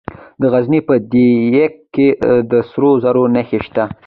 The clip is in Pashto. د غزني په ده یک کې د سرو زرو نښې شته.